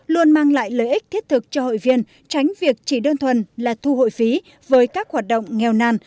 luôn mang lại lợi ích thiết thực cho hội viên tránh việc chỉ đơn thuần là thu hội phí với các hoạt động nghèo nàn